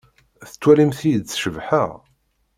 Tettwalimt-iyi-d cebḥeɣ?